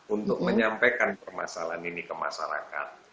untuk menyampaikan permasalahan ini ke masyarakat